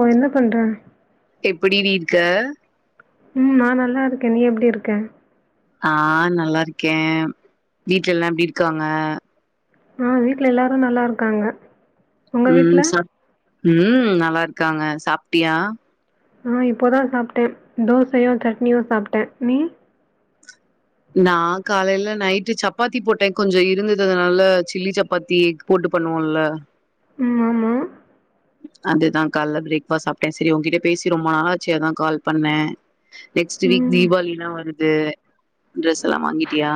ஓ என்ன பண்ற எப்பிடிடி இருக்க ம் நா நல்லா இருக்கே நீ எப்டி இருக்க ஆ நல்லா இருக்கே வீட்ல எல்லா எப்டி இருக்காங்க ஆ வீட்ல எல்லாரு நல்லா இருக்காங்க உங்க வீட்ல ம் சாப் ம் நல்லா இருக்காங்க சாப்ட்டியா ஆ இப்போதா சாப்ட்ட தோசையு சட்னியு சாப்ட்ட நீ நா காலையில நைட்டு சப்பாத்தி போட்ட கொஞ்ச இருந்ததுதுனால சில்லி சப்பாத்தி போட்டு பண்ணுவோல்ல ம் ஆமா அதுதா‌ காலைல பிரேக்பாஸ்ட் சாப்ட்டே சரி உங்கிட்ட பேசி ரொம்ப நாளாச்சே அதா கால் பண்ண நெக்ஸ்ட்டு வீக் ம் தீபாவளில்லா வருது ட்ரெஸ் எல்லா வாங்கிட்டியா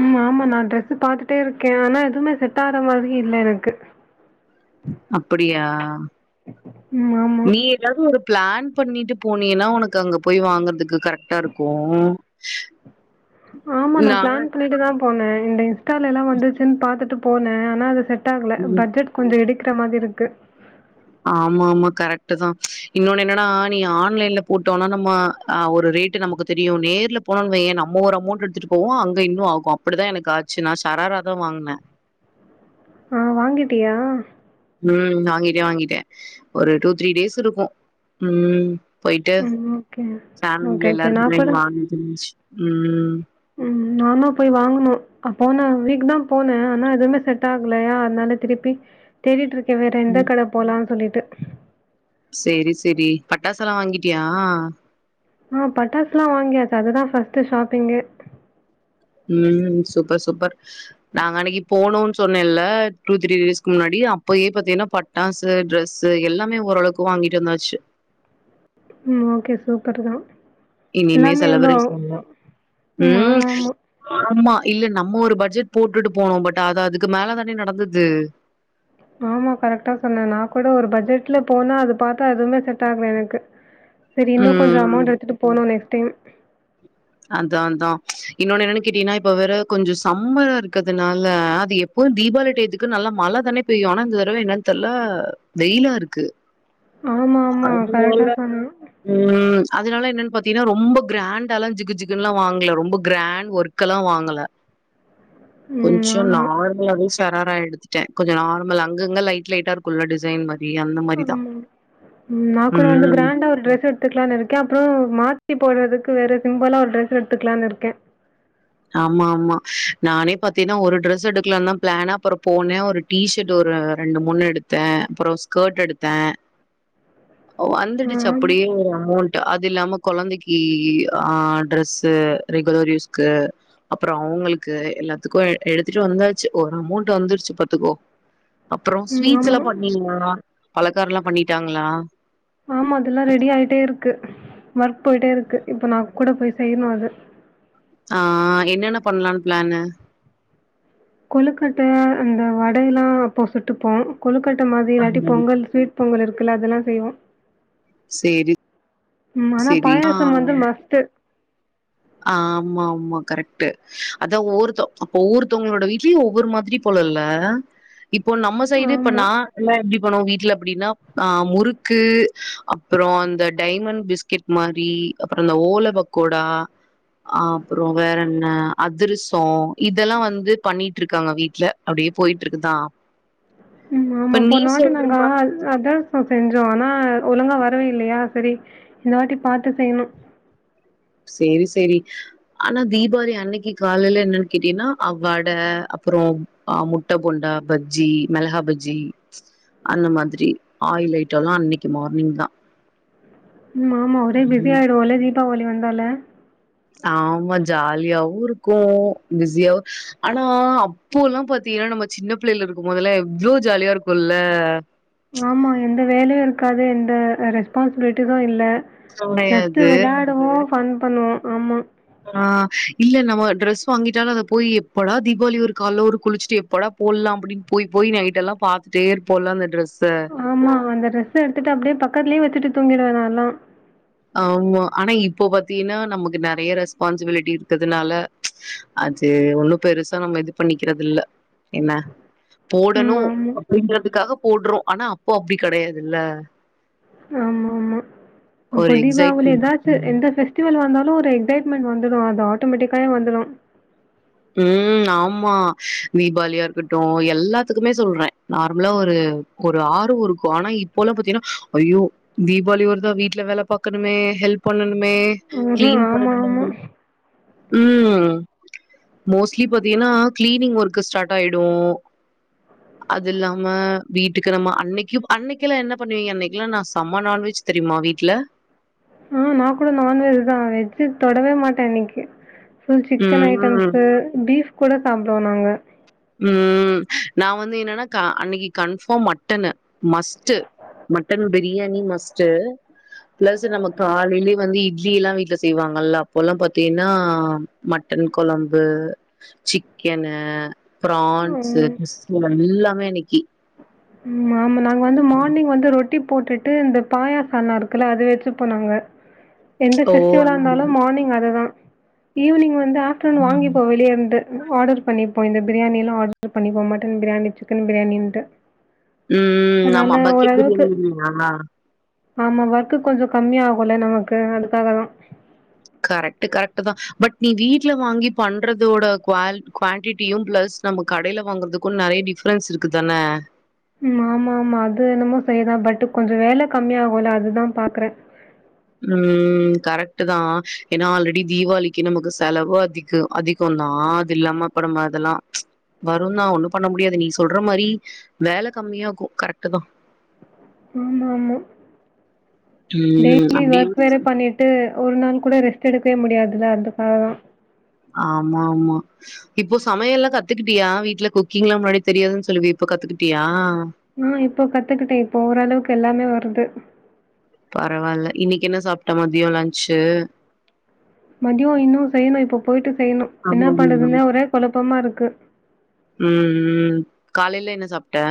ம் ஆமா நா டிரெஸ்ஸு பாத்துட்டே இருக்கே ஆனா எதுவுமே செட் ஆற மாரி இல்ல எனக்கு அப்படியா ம் ஆமா நீயே எதாது ஒரு பிளான் பண்ணிட்டு போனீன்னா ஒனக்கு அங்க போய் வாங்கறதுக்கு கரெக்ட்டா இருக்கு ஆமா நா நானு பிளான் பண்ணிட்டு தா போன இந்த இன்ஸ்டாலலா வந்துச்சுன் பாத்துட்டு போன அனா அது செட் டாகல ம் பட்ஜெட் கொஞ்ச இடிக்கற மாதிரி இருக்கு ஆமா ஆமா கரெக்ட்டு தா இன்னொன்னு என்னன்னா நீ ஆன்லைன்ல போட்டோனா நம்ம ஆ ஒரு ரேட்டு நமக்கு தெரியு நேர்ல போனம் வைய்யே நம்ம ஒரு அமௌண்ட் எடுத்துட்டு போவோ அங்க இன்னு ஆகு அப்படிதா எனக்கு ஆச்சு நா சராராதா வாங்ன ஆ வாங்கிட்டியா ம் வாங்கிட்ட வாங்கிட்ட ஒரு டூ த்ரீ டேஸ் இருக்கு ம் போயிட்டு ம் ஓகே ஓகே ஃபேமிலில ஓகே நா எல்லாருக்குமே கூட [unintelligible] ம் ம் நானு போய் வாங்கணு அ போனா வீக்குதா போன அனா எதுவுமே செட் ஆகலயா அதனால திருப்பி தேடிட்ருக்கே வேற எந்த ம். கட போலான் சொல்லீட்டு சேரி செரி பட்டாசு எல்லா வாங்கிட்டியா ஆ பட்டாஸ்லா வாங்கியாச்சு அதுதா ஃபர்ஸ்ட் ஷாப்பிங்கே ம் சூப்பர் சூப்பர் நாங்க அன்னைக்கு போனோன் சொன்னல்ல டூ த்ரீ டேஸ்க்கு முன்னாடி அப்பயே பாத்தின்னா பட் டாஸ்சு டிரெஸ்சு எல்லாமே ஓரளவுக்கு வாங்கிட்டு வந்தாச்சு ம் ஓகே சூப்பர் தா இனிமே செலபரேஷன் பண்ணு ம் ஆமா இல்ல நம்ம ஒரு பட்ஜெட் போட்டுட்டு போனோ பட் அது அதுக்கு மேல தானே நடந்தது ஆமா கரெக்டா சொன்னே நா கூட ஒரு பட்ஜெட்ல போனா அது பாத்தா எதுமே செட் ஆகல எனக்கு செரி இன்னு கொஞ்ச ம் அமௌண்ட் எடுத்துட்டு போனு நெக்ட் டைம் அதா அதா இன்னொன்னு என்னன்னு கேட்டின்னா இப்ப வேற கொஞ்ச சம்மயா இருக்கறதுனால அது எப் பு தீபாளி டயத்துக்கு நல்லா மழ தானே பெய்யு அனா இந்த தடவ என்னனு தெர்ல வெயிலா இருக்கு ஆமா அதனால ம் அதனால என்னன் பாத்தின்னா ரொம்ப கிராண்டாலா ஜிகு ஜிகுன்லா வாங்கல ரொம்ப கிராண் ஒர்க் கலா வாங்கல ம். கொஞ்சோ ஆமா. நார் [unintelligible] சராரா எடுத்துட்ட கொஞ்ச நார்மல் அங்கங்க லைட் லைட்டா இருக்குல்ல டிசைன் மாரி அந்த ஆமா. மாரிதா ம் நா கூட வந்து ம் கிராண்டா ஒரு ட்ரெஸ் எடுத் துக்கலான் இருக்கே அப்பறோ மாத்தி போடுறதுக்கு வேற சிம்பளா ஒரு ட்ரெஸ் எடுத்துக்கலான் இருக்கே ஆமா ஆமா நானே பாத்தின்னா ஒரு டிரெஸ் எடுக்கலான் தா பிளான் அப்பறோ போன ஒரு டீ ஷர்ட் ஒரு ரெண்டு மூணு எடுத்த அப்பறோ ஸ்கர்ட் எடுத்த ஓ ம் வந்துடுச்சு ஆமா. அப்படியே ஒரு அமௌன் டு அது இல்லாம கொழந்தக்கி ஆ டிரெஸ்ஸு ரெகுலர் யூஸ்க்கு அப்பறோ அவுங்கலுக்கு எல்லாத்துக்கு எடுத்துட்டு வந்தாச்சு ஒரு அமௌன்ட் வந்துருச்சு பாத்துக்கோ அப்பறோ ம் ஸ்வீட்ஸ் ஆமா. எல்லா பண்ணீங்களா பலக்காரோலா பண்ணீட்டாங்களா ஆமா அதுலா ரெடி ஆயிட்டே இருக்கு ஒர்க் போயிட்டே இருக்கு இப்ப நா கூட போய் செய்யணு அது ஆ என்னன்ன பண்லான் பிளானு கொழுக்கட்ட அந்த வடைலா வெப்போ சுட்டுப்போ கொழுக்கட்ட மாதிரி இல்லாட்டி பொங்கல் ஸ்வீட் பொங்கல் இருக்குல்ல அதுலா செய்வோ சேரி ம் அனா சேரி ஆ பாயாசம் வந்து மஸ்ட்டு ஆமாம்மா கரக்ட்டு அதா ஒவ்வொருத்தோ அப்ப ஒவ்வொருத்தவங்களோட வீட்லயு ஒவ்வொரு மாதிரி போல இல்ல இப்போ நம்ம சைடு இப்ப ஆமா. நா எல்லா எப்டி பண்ணுவோ வீட்ல அப்படின்னா ஆ முறுக்கு அப்புற அந்த டைமண்ட் பிஸ்கெட் மாரி அப்புற இந்த ஓல பக் கோடா அப்புற வேற என்ன அதிரசொ இதெல்லா வந்து பண்ணிட்டு இருக்காங்க வீட்ல அப்டியே போய்ட்டு இருக்குதா ம் ஆமா இப்ப நீ போன வாட்டி சொல்ற நாங்க மா அதிரசம் செஞ்சோ ஆனா ஒழுங்கா வரவே இல்லையா சரி இந்த வாட்டி பாத்து செய்யணு சேரி சேரி ஆனா தீபாளி அன்னைக்கு காலையில என்னன்னு கேட்டீங்னா அவ்வட அப்புறம் ஆ முட்ட போண்டா பஜ்ஜி மெளகா பஜ்ஜி அந்த மாதிரி ஆயில் ஐட்டம்லா அன்னைக்கு மார்னிங் தா ஆமா ஆமா ஒரே பிஸி ம் ஆயிருவோல்ல தீபாவளி வந்தாலே ஆம்மா ஜாலியாவு இருக்கும் பிசியாவு ஆனா அப்போல்லா பாத்தீங்கன்னா நம்ம சின்ன பிள்ளைல இருக்கும் போதல்லா எவ்ளோ ஜாலியா இருக்குல்ல ஆமா எந்த வேலயு இருக்காது எந்த ரெஸ்பான்ஸிபிளிட்டீஸீம் இல்ல ஜஸ்ட் கெடையாது விளையாடுவோ பன் பண்ணுவோ ஆமா ஆ இல்ல நம்ம ட்ரெஸ் வாங்கிட்டாலு அத போய் எப்போடா தீபாவளி வரு கால்ல ஒரு குளிச்சுட்டு எப்பொடா போட்லா அப்டின்னு போய் போய் நைட்டெல்லா பாத்துட்டே இருப்போல்ல அந்த டிரெஸ்ஸ ஆமா அந்த டிரெஸ் எடுத்துட்டு அப்டியே பக்கத்துலேயே வச்சுட்டு தூங்கிடுவே நால்லா ஆமா ஆனா இப்போ பாத்தீங்கன்னா நமக்கு நேறைய ரெஸ்பான்சிபிலிட்டி இருக்குறதுனால அது ஒன்னும் பெருசா நம்ம இது பண்ணிக்கிறது இல்ல என்ன ம் போடணும் ஆமா. அப்படின்றதுக்காக போட்றோ ஆனா அப்போ அப்டி கெடையாதுல்ல ஆமா ஆமா ஒரு அப்போ தீபாவளி எக்ஸைட்மென்ட் எதாச்சு இருக்கும். எந்த ஃவெஸ்டிவல் வந்தாலு ஒரு எக்ஸைட்மெண்ட் வந்துடு அது ஆட்டோமேட்டிக்காவே வந்துடும் ம் ஆமா தீபாவளியா இருக்கட்டும் எல்லாத்துக்குமே சொல்றே நார்மலா ஒரு ஒரு ஆர்வ இருக்கும் ஆனா இப்பொல்லா பாத்தீங்கன்னா ஐயோ தீபாவளி வருதா வீட்ல வேல பாக்கணுமே ஹெல்ப் பண்ணணுமே ம்ஹ்ம். கிளீன் ஆமா, பண்ணணுமே ஆமா. ம் மோஸ்ட்லி பாத்தீங்கன்னா கிளீனிங் ஒர்க்கு ஸ்டார்ட் ஆயிடு அது இல்லாம வீட்டுக்கு நம்ம அன்னைக்கும் அன்னைக்கெல்லா என்ன பண்ணுவீங்க அன்னைக்கெலா நா செம நான்வெஜ் தெரியுமா வீட்ல ம் நா கூட நான்வெஜ் தா வெஜ் தொடவே மாட்டே அன்னைக்கு ஃபுல் சிக்கன் ம் ஐட்டம்ஸ் பீஃப் கூட சாப்புடுவோ நாங்க ம் நா வந்து என்னன்னா அன்னைக்கு கன்பாஃம் மட்டன்னு must mutton biryani must plus நம்ம காலையிலயே வந்து இட்லி எல்லா வீட்ல செய்வாங்கல்ல அப்போ எல்லா பாத்தீங்கன்னா மட்டன் கொழம்பு சிக்கனு ப்ரான்ஸு ம் எல்லாமே அன்னைக்கு ம் ஆமா நாங்க வந்து மார்னிங் வந்து ரொட் டி போட்டுட்டு இந்த பாயாசால்னா இருக்குல்ல அது வச்சுப்போ நாங்க எந்த ஓ ஃபெஸ்டிவலா இருந்தாலும் மார்னிங் அதுதா ஈவினிங் வந்து ஆஃப்டர்நூன் ம் வாங்கிப்போ வெளியேந்து ஆர்டர் பண்ணிப்போ இந்த பிரியாணிலா ஆர்டர் பண்ணிப்போ மட்டன் பிரியாணி சிக்கன் பிரியாணின்ட்டு ம் ம் ஆமா அதனால பக்கெட் ஓரளவுக்கு பிரியாணிங்களா ஆமா ஒர்க்கு கொஞ்ச கம்மியாகுல்ல நமக்கு அதுக்காக தா கரெக்ட் கரெக்ட் தா பட் நீ வீட்ல வாங்கி பண்றதோட குவால் குவான்டிட்டியு ப்ளஸ் நம்ம கடயில வாங்குறதுக்கு நறைய டிஃப்ரன்ஸ் இருக்கு தானே ம் ஆமா ஆமா அது என்னமோ சரிதா பட் கொஞ்ச வேல் கம்மியாகுல்ல அததாபாக்குறே பட்டு கொஞ்சம் வேல கம்மிய ஆகும்ல அதுதா பார்க்குறே ம் கரெக்ட்டுதா என்னா ஆல்ரெடி தீவாளிக்கு நமக்கு செலவு அதிக அதி கொந்தா அது இல்லாம ப்பபனம்ம அதுல்லா வருந்தா ஒண்ணு பண்ண முடியாது நீ சொல்ற மாரி வேலகம்மியாகு கரெக்ட்டு தா ஆமஆமா ம் டெய்லி அப்படியே ஒர்க் வேற பன்னீட் ட்டு ஒரு நாள் கூட ரெஸ்ட் எடுக்கவே முடியாதுல்ல அதுக்குகாதா ஆம்ம ஆம்மா இப்போ சமையல்லா கத்துக்கிட்டியா வீட்ல குக்கிங் எல்லாம் முன்னாடி தெரியாதுன் சொல்லுவியே இப்ப கத்துக்கிட்டியா ஆ இப்போ கத்துக்கிட்டே இப்போ ஓரளவுக்கு எல்லாமே வருது பரவால்ல இன்னைக்கு என்ன சாப்ட்ட மதியொ லன்ச்சு மதியோ இன்னு செய்யணு இப்ப போய்ட்டு செய்யணு என்ன ஆமாமா. பண்றதுன்னே ஒரே குழப்பமா இருக்கு ம் ம் காலைல என்ன சாப்ட்ட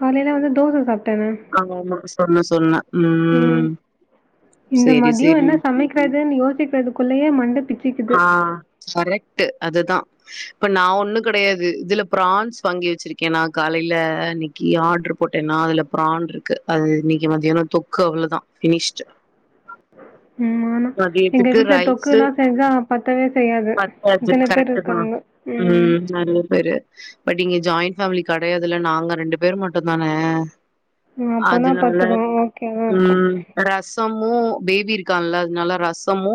காலைல வந்து தோச சாப் ஆம்மா ஆம்மா சொன்ன சொன்ன ம் இந்த சேரி மத்யொ சேரி என்ன சமக்கிறதுன் யோசிக்கிறதுக்குள்ளயே மண்ட பிச் ஆ கரெக்ட்டு அதுதா இப்ப நா ஒண்ணுகிடையாது இதுல பிரான்ஸ் வாங்கி வச்சிருக்கே நா காலைல கி ஆர்ட்ரு போட்டேன்னா அதுல பிரான்ருக்கு அது இன்னைக்கு மதியானொ தொக்கு அவ்ளதா ஃபினிஷ்டு ம் ஆனா எங்க மதியத்துக்கு வீட்டுல ரைஸு தொக்கூலா செஞ்சா பத்தவே செய்யாது பத்தாது இத்தன பேர் இருக்காங்க ம் நல்லப்பேரு பட் இங்க ஜாயிண் ஃபேமிலி கடையாதுல்ல நாங்க ரெண்டு பேர் மட்டும்தானெ அப்போனா அதுனால பத்துரும். ஓகே தான் இருக்கும். ம் ரசமு பேபி இருக்கால்ல அதேனால ரசமு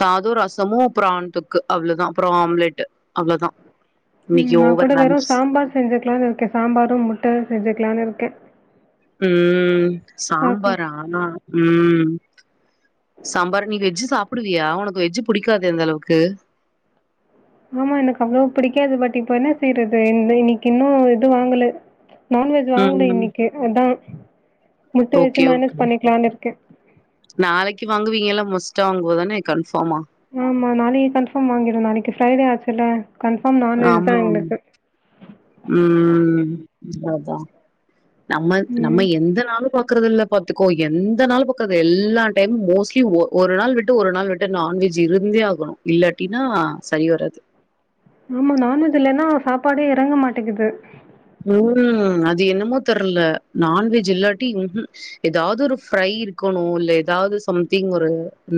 சாதொ ரஸ் சமூ பிராண் தொக்கு அவ்ளதா அப்பற ஆம்லெட்டு அவ்வளதா ம் நா கூட வெறு சாம்பார செஞ்சுக்கலானுருக்கே சாம்பாரு முட்ட செஞ்சுக்கலானு இருக்கே ம் பாக்கலாம். சாம்பாரா ஆன்னா ம் சாம்பாரு நீ வெஜ்ஜு சாப்டுவியா ஒனக்கு வெஜ்ஜு புடிக்காதே அந்தளவுக்கு ஆம்மா எனக் அவ்ளோ புடிக்காது பட் இப்ப என்ன செய்றது இன் இன்னைக்கு இன்னு எத்துவாங்கல நான்வெஜ் வாங்க்னு ம் இன்னிக்கு அத்தா ஓக்கே ஓக் நாளைக்கு வாங்குவீங்கல்ல ம மஸ்டா வாங்குவதானே கன்ஃபாம்மா ஆம்மா நாளைக்கு கன்பார்ம் வாங்கிடு நாளைக்கு ஃப்ரைடே ஆச்சுல்ல கன்ஃபார்ம் நான்வெஜ் தா ஆமா எங்ளுக்கு ம் அத்தா நம்ம நம்ம ம். எந்தநாளு பாக்குறதில்ல பாத்துக்கோ எந்த நாளு பாக்றது எல்லா டைமு மோஸ்ல்லி ஒரு நாள் விட்டு ஒரு நாள் விட்டு நான்வெஜ் இருந்தே ஆகுனு இல்லாட்டினா சயிவராது ஆம்மா நான்வெஜ்இல்லன்னா சாப்பாடே எறங்க மாட்டேக்கிது ம் அது என்னமோ தெர்ல நான்வெஜ் இல்லாட்டி ம்ஹூம் எதாவ்து ஒரு ஃப்ரை இருக்கனு இல்ல எதாது சம்திங் ஒரு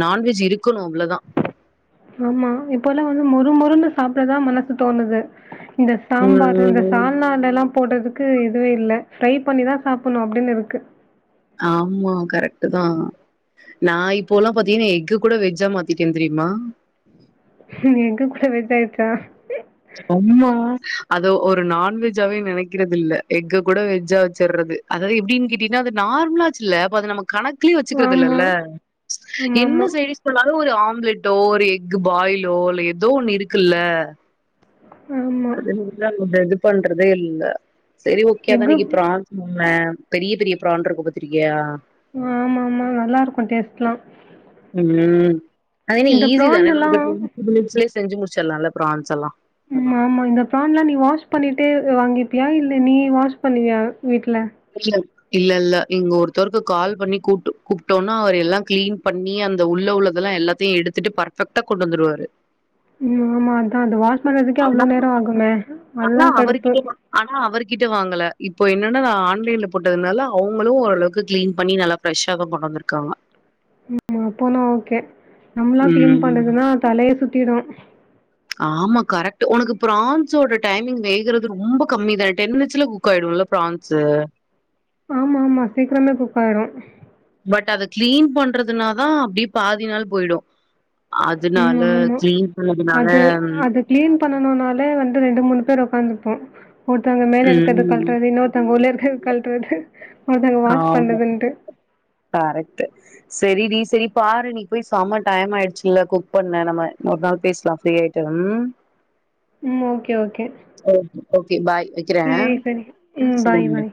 நான்வெஜ் இருக்கனு அவ்ளொதா ஆம்மா இப்பல்லா வந்து மொறு மொறுன்னு சாப்டதா மனசு தோணுது இந்த சாம்பாரு இந்த ம் சால்னா அதெல்லா போடதுக்கு இதுவேஇல்ல ஃப்ரை பண்ணிதா சாப்புன்னு அப்டின்ன இருக்கு ஆம்மா கரெக்ட்டு தா நா இப்போல்லா பாத்தீன்னா எக்குகூட வெஜ்ஜா மாத்திட்டெ தெரியுமா எக்குகூட வெஜ்ஜாயிடுச்சா அம்மா அத ஒரு நான்வெஜ்ஜாவே நெனைக்கிறதில்ல எக்க கூட வெஜ்ஜா வெச்சிற்றது அதாவது எப்டின்னு கேட்டீன்னா அது நார்மலாச்சுல்ல அப்ப அது நமக் கணக்குலயே வச்சுக்றது ஆமா. இல்லெல்ல என்ன ஆமாமா. சைடிஷ் இப்போ நாம ஒரு ஆம்லெட்டோ ஒரு எக் பாயிலோ இல்ல ஏதோ ஒண்ணு இருக்குல்ல ஆமா. ஆமா [unintelligible] அதா இது பண்றதே இல்ல சரி ஓகோ அதா எக்கு இன்னிக்கி பிராஸ் ஆமா பெரிய பெரிய ப்ரான் இருக்கு பாத்திருக்கியா ம் ஆமா ஆமா நல்லா இருக்கு டேஸ்ட்டெலா ம் அது என்ன இந்த ஈஸி தானே நம்ம ப்ரான்லலாம் மினிட்ஸ்லே செஞ்சு முடிச்சுடலால்ல ப்ரான்ஸ் எல்லா ஆமா ஆமா இந்த ப்ரான்லா நீ வாஷ் பண்ணிட்டே வாங்கிப்பியா இல்ல நீ வாஷ் பண்ணுவியா வீட்ல இல்ல இல்ல இல்ல இங்க ஒருத்தருக்கு கால் பண்ணி கூப்ட் கூப்ட்டோன்னா அவர் எல்லா கிளீன் பண்ணி அந்த உள்ளே உள்ளதெல்லா எல்லா த்தையு எடுத்துட்டு பர்ஃபெக்ட்டா கொண்டு வந்துருவாரு ம் ஆமா அக்கா அ அது வாஷ் பண்றதுக்கே அவ்ளோ ஆனா நேரோ ஆகுமே அதுதா ஆனா கடுப்பு அவர்கிட்ட ஆனா அவர்கிட்ட வாங்கல இப்போ என்னென்னா ஆள் புள்ளைங்கள போட்டதுனால அவங்களு ஓரளவுக்கு கிளீன் பண்ணி நல்லா ஃபிரெஷ்ஷாதா கொண்டு வந்துருக்காங்க அப்பன்னா ஓகே நம்மெளா கிளீன் ம் பண்றதுன்னா தலையே சுத்திருவே ஆமா கரெக்ட்டு உனக்கு பிரான்சோட டைமிங் வேகறது ரொம்ப கம்மி தா டென் மினிட்ஸ்லே குக்காயிடோல்ல ப்ரான்ஸு ஆமா ஆமா சீக்கிரமே குக்காயிரு பட் அத கிளீன் பண்றதுனாதா அப்டியே பாதி நாள் போயிடும் ம் அதுனால ஆமா. கிளீன் பண்ணதுனால அது ம் அது கிளீன் பண்ணனும்னாலே வந்து ரெண்டு மூணு பேர் ஒக்காந்துருப்போ ஒருத்தவுங்க மேல இருக்கறது ம் கழட்றது இன்னொ ஒருத்தங்க உள்ள இருக்கறது கழட்றது ஒருத்தங்க வாஷ் பண்ணுறதுன்ட்டு கரெக்ட்டு சரி டி சரி பாரு நீ போய் சம டைம் ஆயிடுச்சுல்ல குக் பண்ண நம்ம இன்னொரு நாள் பேசலா ஃபிரீ ஆயிட்டு ம் ம் ஓகே, ஓகே. ஒ ஓகே பை வைக்கிறே சரி, சரி. பாய், ம் பாய்.